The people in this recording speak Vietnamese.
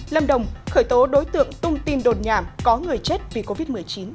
lâm đồng khởi tố đối tượng tung tin đồn nhảm có người chết vì covid một mươi chín